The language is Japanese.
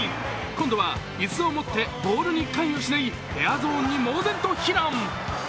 今度は椅子を持ってボールに関与しないフェアゾーンに猛然と避難。